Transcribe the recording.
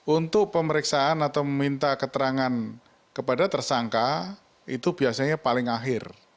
untuk pemeriksaan atau meminta keterangan kepada tersangka itu biasanya paling akhir